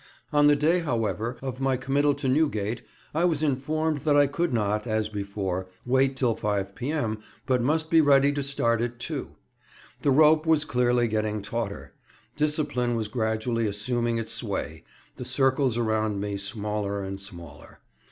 On the day, however, of my committal to Newgate I was informed that I could not, as before, wait till 5 P.M., but must be ready to start at 2. The rope was clearly getting "tauter"; discipline was gradually assuming its sway, the circles around me smaller and smaller.